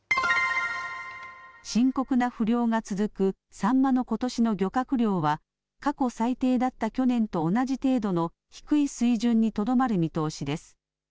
深刻な不漁が続くサンマのことしの漁獲量は、過去最低だった去年と同じ程度の低い水準にとどまる見通しです。